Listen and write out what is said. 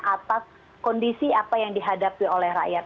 atas kondisi apa yang dihadapi oleh rakyat